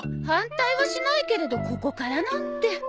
反対はしないけれどここからなんて。